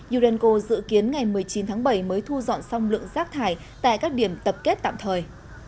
yurenco dự kiến ngày một mươi chín tháng bảy mới thu dọn xong lượng rác thải tại các điểm tập kết tạm thời